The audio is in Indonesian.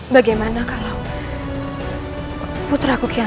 bagaimana kalau putraku gembira